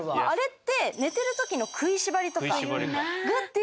あれって寝てる時の食いしばりとかグッ！